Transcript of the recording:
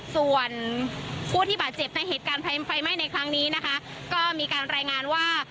ส่วนผู้ที่บาดเจ็บในเหตุการณ์ไฟไหม้ในครั้งนี้นะคะก็มีการรายงานว่า